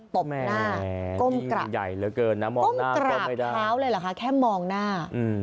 ตบหน้าก้มกระบเท้าเลยหรอคะแค่มองหน้า